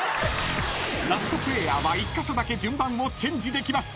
［ラストプレーヤーは１カ所だけ順番をチェンジできます］